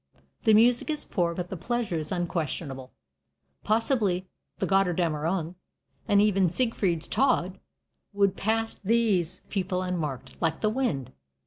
The music is poor, but the pleasure is unquestionable. Possibly the "Gotterdammerung," and even Siegfried's "Tod," would pass these people unmarked, like the wind.